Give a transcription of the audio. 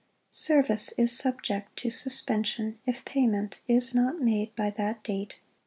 Service is subject to suspension if payment is not made by that date.